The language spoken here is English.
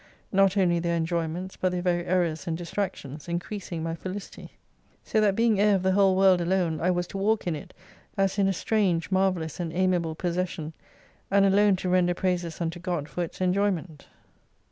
Not only their enjoyments, but their very errors and distractions increasing my Felicity. So that being heir of the whole world alone, I was to walk in it, as in a strange, marvellous, and amiable possession, and alone to render praises unto God for its enjoyment.